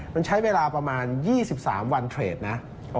มันใช้เวลาประมาณ๒๓วันเทรดนะ